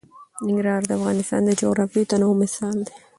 ننګرهار د افغانستان د جغرافیوي تنوع مثال دی.